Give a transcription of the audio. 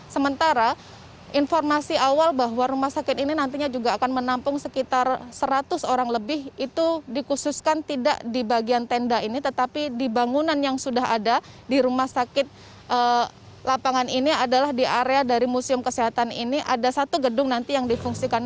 sementara informasi awal bahwa rumah sakit ini nantinya juga akan menampung sekitar seratus orang lebih itu dikhususkan tidak di bagian tenda ini tetapi di bangunan yang sudah ada di rumah sakit lapangan ini adalah di area dari museum kesehatan ini ada satu gedung nanti yang difungsikan